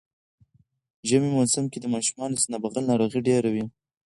ژمی موسم کی د ماشومانو سینه بغل ناروغی ډیره وی